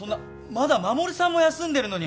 まだ衛さんも休んでるのに。